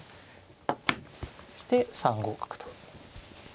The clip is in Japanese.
して３五角と。